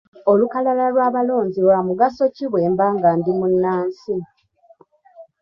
Olukalala lw'abalonzi lwa mugaso ki bwe mba nga ndi munnansi?